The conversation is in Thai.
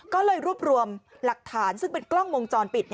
ก็เลยรวบรวมหลักฐานซึ่งเป็นกล้องวงจรปิด